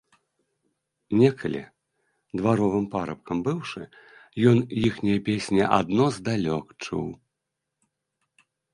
Некалі, дваровым парабкам быўшы, ён іхнія песні адно здалёк чуў.